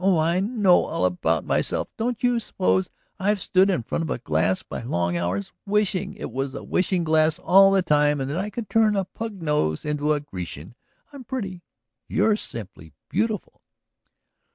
Oh, I know all about myself; don't you suppose I've stood in front of a glass by the long hours ... wishing it was a wishing glass all the time and that I could turn a pug nose into a Grecian. I'm pretty; you're simply beautiful!"